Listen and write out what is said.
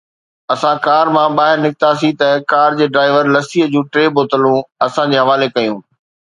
اسان ڪار مان ٻاهر نڪتاسين ته ڪار جي ڊرائيور لسيءَ جون ٽي بوتلون اسان جي حوالي ڪيون.